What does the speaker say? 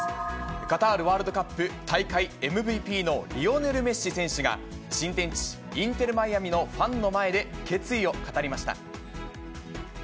カタールワールドカップ大会ＭＶＰのリオネル・メッシ選手が、新天地、インテル・マイアミのファンの前で決意を語りました。